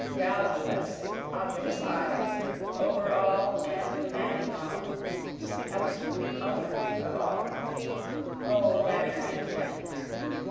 Valueless, object of eyes, over all and demanding all (absolute owner of all) O banner and pennant!